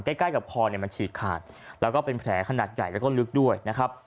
ใกล้ใกล้กับคอเนี่ยมันฉีกขาดแล้วก็เป็นแผลขนาดใหญ่แล้วก็ลึกด้วยนะครับ